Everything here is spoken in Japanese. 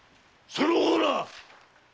その方ら！